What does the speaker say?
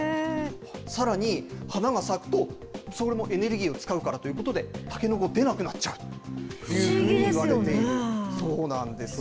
さらに花が咲くと、それもエネルギーを使うからということで、タケノコ、出なくなっちゃうといわ不思議ですよね。